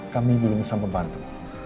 kami belum bisa membantu